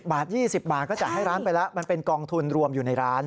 บาท๒๐บาทก็จ่ายให้ร้านไปแล้วมันเป็นกองทุนรวมอยู่ในร้าน